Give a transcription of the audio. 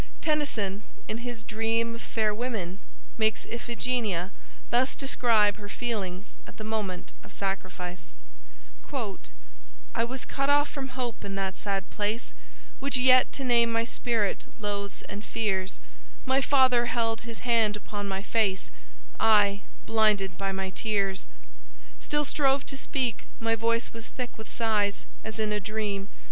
Tennyson, in his "Dream of Fair Women," makes Iphigenia thus describe her feelings at the moment of sacrifice: "I was cut off from hope in that sad place, Which yet to name my spirit loathes and fears; My father held his hand upon his face; I, blinded by my tears, "Still strove to speak; my voice was thick with sighs, As in a dream.